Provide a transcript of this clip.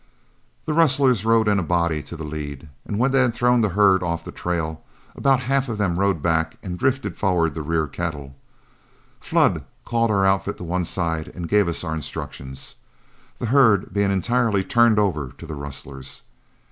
The rustlers rode in a body to the lead, and when they had thrown the herd off the trail, about half of them rode back and drifted forward the rear cattle. Flood called our outfit to one side and gave us our instructions, the herd being entirely turned over to the rustlers.